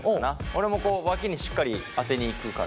俺もこうわきにしっかり当てにいくから。